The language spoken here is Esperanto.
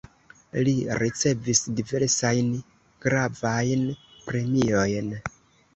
Li ricevis diversajn gravajn premiojn.